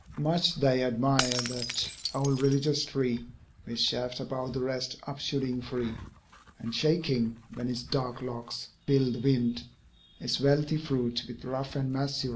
"'Much they admire that old religious tree With shaft above the rest upshooting free, And shaking, when its dark locks feel the wind, Its wealthy fruit with rough and massive rind.'"